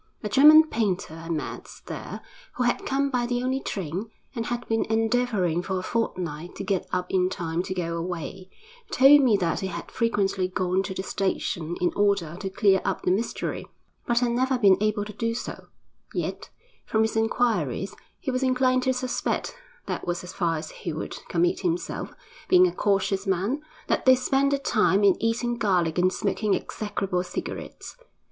A German painter I met there, who had come by the only train, and had been endeavouring for a fortnight to get up in time to go away, told me that he had frequently gone to the station in order to clear up the mystery, but had never been able to do so; yet, from his inquiries, he was inclined to suspect that was as far as he would commit himself, being a cautious man that they spent the time in eating garlic and smoking execrable cigarettes.